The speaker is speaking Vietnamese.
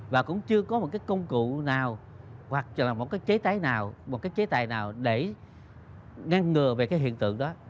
và cũng chưa có một cái công cụ nào hoặc là một cái chế tài nào để ngăn ngừa về cái hiện tượng đó